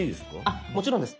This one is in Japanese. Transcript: あっもちろんです。